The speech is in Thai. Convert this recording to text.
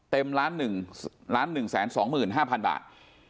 เต็ม๑๑๒๕๐๐๐บาท